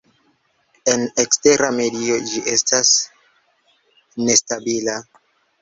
En ekstera medio ĝi estas nestabila.